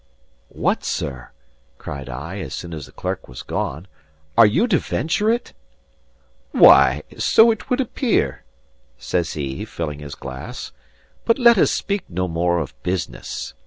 "What, sir," cried I, as soon as the clerk was gone, "are you to venture it?" "Why, so it would appear," says he, filling his glass. "But let us speak no more of business.